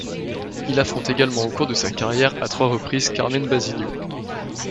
Il affronte également au cours de sa carrière à trois reprises Carmen Basilio.